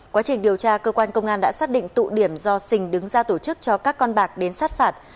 quá trình điều tra cơ quan công an đã xác định tụ điểm do sình đứng ra tổ chức cho các con bạc đến sát phạt